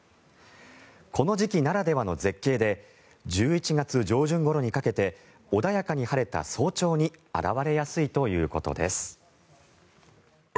この時期ならではの絶景で１１月上旬ごろにかけて穏やかに晴れた早朝に現れやすいということです。